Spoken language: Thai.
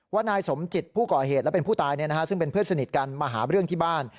นายสมจิตผู้ก่อเหตุและเป็นผู้ตายซึ่งเป็นเพื่อนสนิทกันมาหาเรื่องที่บ้าน